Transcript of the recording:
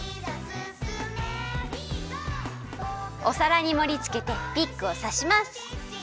おさらにもりつけてピックをさします。